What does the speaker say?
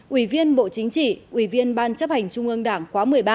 ủy viên bộ chính trị ủy viên ban chấp hành trung ương đảng khóa một mươi ba